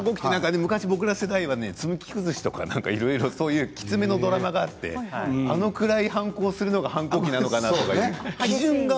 僕ら世代は「積木くずし」とかきつめのドラマがあってあのくらい反抗するのが反抗期なのかなと。